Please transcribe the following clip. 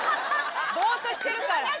ボっとしてるから。